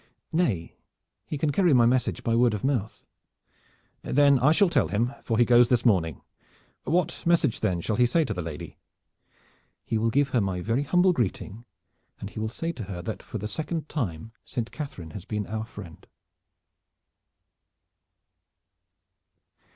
"Nay, he can carry my message by word of mouth." "Then I shall tell him for he goes this morning. What message, then, shall he say to the lady?" "He will give her my very humble greeting, and he will say to her that for the second time Saint Catharine has been our friend."